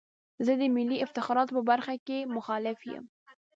زه د ملي افتخاراتو په برخه کې مخالف یم.